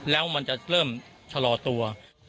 แล้วมันจะเริ่มชะลอตัว